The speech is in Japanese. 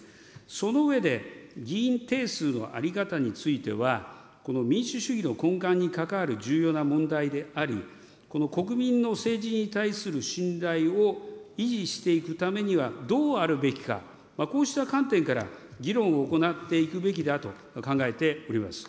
その上で、議員定数の在り方については、この民主主義の根幹に関わる重要な問題であり、この国民の政治に対する信頼を維持していくためには、どうあるべきか、こうした観点から議論を行っていくべきだと考えております。